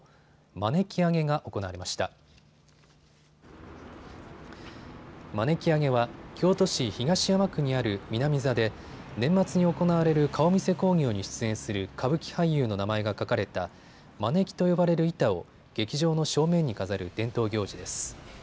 まねき上げは京都市東山区にある南座で年末に行われる顔見世興行に出演する歌舞伎俳優の名前が書かれたまねきと呼ばれる板を劇場の正面に飾る伝統行事です。